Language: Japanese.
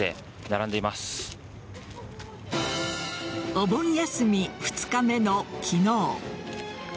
お盆休み２日目の昨日。